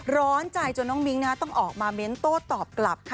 ร้อนใจจนน้องมิ้งนะฮะต้องออกมาเมนโต้ตอบกลับ